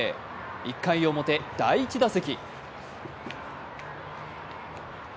１回表、第１打席。